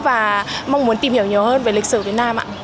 em cũng muốn tìm hiểu nhiều hơn về lịch sử của việt nam ạ